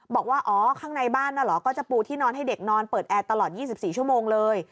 บอกว่าอ๋อข้างในบ้านน่ะเหรอก็จะปูที่นอนให้เด็กนอนเปิดแอร์ตลอด๒๔ชั่วโมงเลย